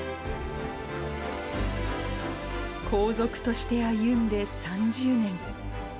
皇族として歩んで３０年。